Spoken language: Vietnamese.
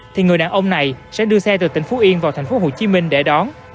thì người đàn ông này sẽ đưa xe từ tỉnh phú yên vào tp hcm để đón